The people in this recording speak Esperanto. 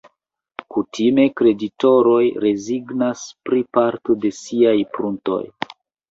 Kutime kreditoroj rezignas pri parto de siaj pruntoj.